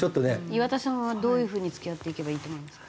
岩田さんはどういう風に付き合っていけばいいと思いますか？